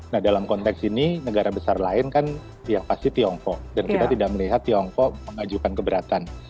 nah dalam konteks ini negara besar lain kan yang pasti tiongkok dan kita tidak melihat tiongkok mengajukan keberatan